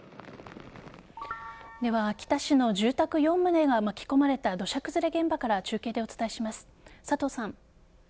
では秋田市の住宅４棟が巻き込まれた土砂崩れ現場から中継でお伝えします。